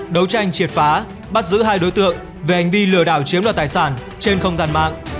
đấu tranh triệt phá bắt giữ hai đối tượng về hành vi lừa đảo chiếm đoạt tài sản trên không gian mạng